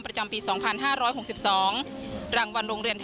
ประจำปี๒๕๖๒